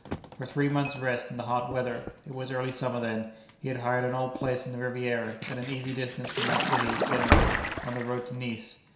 For three months' rest in the hot weather (it was early summer then) he had hired an old place on the Riviera, at an easy distance from my city, Genoa, on the road to Nice.